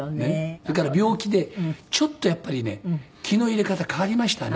それから病気でちょっとやっぱりね気の入れ方変わりましたね。